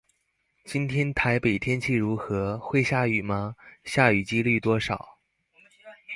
今天台北天氣如何?會下雨嗎?下雨機率多少?